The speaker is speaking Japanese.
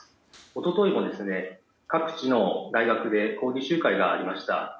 一昨日も、各地の大学で抗議集会がありました。